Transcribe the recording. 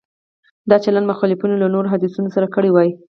دا چلند مخالفانو له نورو حدیثونو سره کړی وای.